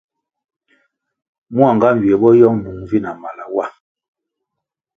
Mua nga nywie bo yong nung vi na mala wa.